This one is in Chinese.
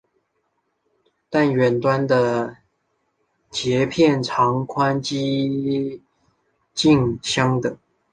但远端的节片长宽几近相等。